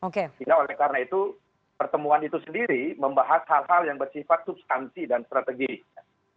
karena itu pertemuan itu sendiri membahas hal hal yang bersifat substansi dan strategis